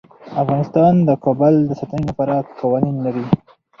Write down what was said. افغانستان د کابل د ساتنې لپاره قوانین لري.